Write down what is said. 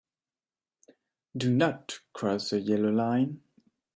Do not cross the yellow line.